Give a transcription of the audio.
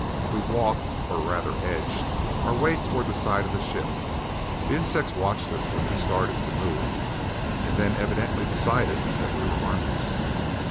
We walked, or rather edged, our way toward the side of the ship. The insects watched us when we started to move and then evidently decided that we were harmless.